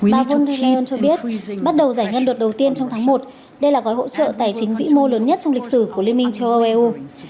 bà von der leyen cho biết bắt đầu giải ngân đợt đầu tiên trong tháng một đây là gói hỗ trợ tài chính vĩ mô lớn nhất trong lịch sử của liên minh châu âu eu